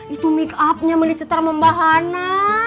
itu make upnya melicitar membahana